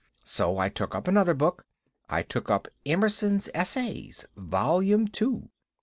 So I took up another book. I took up Emerson's Essays, Volume Two."